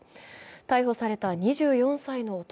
逮捕された２４歳の男。